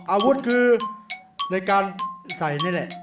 อาวุธคือในการใส่นี่แหละ